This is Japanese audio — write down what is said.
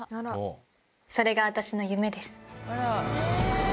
それが私の夢です。